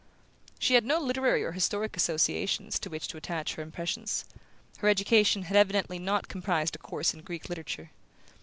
She had no literary or historic associations to which to attach her impressions: her education had evidently not comprised a course in Greek literature.